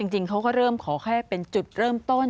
จริงเขาก็เริ่มขอแค่เป็นจุดเริ่มต้น